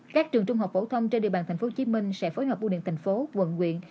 các trường trung học phổ thông trên địa bàn tp hcm sẽ phối hợp bù điện thành phố quận quyện